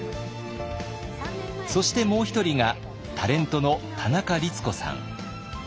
そしてもう一人がタレントの田中律子さん。